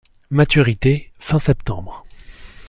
Maturité: fin septembre.